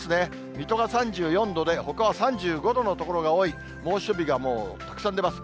水戸が３４度で、ほかは３５度の所が多い、猛暑日がもうたくさん出ます。